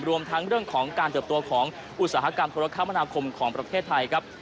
รวมทั้งเรื่องของการเติบตัวของอุตสาหกรรมธุรกรรมนาคมของประเทศไทยครับ